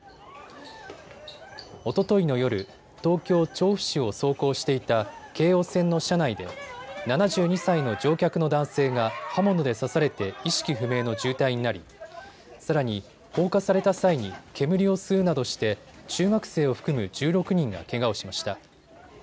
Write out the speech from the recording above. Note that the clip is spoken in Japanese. おとといの夜、東京調布市を走行していた京王線の車内で７２歳の乗客の男性が刃物で刺されて意識不明の重体になりさらに放火された際に煙を吸うなどして中学生を含む１６人がけがをしました。